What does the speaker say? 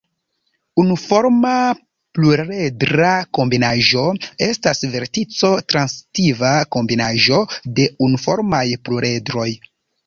Unuforma pluredra kombinaĵo estas vertico-transitiva kombinaĵo de unuformaj pluredroj.